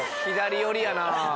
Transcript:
左寄りやな。